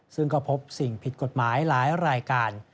ซึ่งก็พบสิ่งผิดกฎหมายหลายรายการ